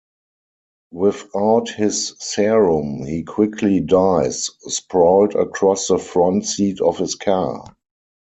Without his serum he quickly dies, sprawled across the front seat of his car.